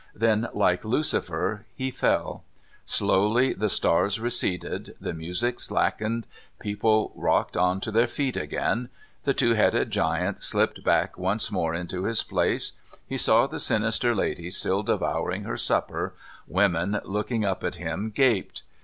Then, like Lucifer, he fell. Slowly the stars receded, the music slackened, people rocked on to their feet again... The Two Headed Giant slipped hack once more into his place, he saw the sinister lady still devouring her supper, women looking up at him gaped.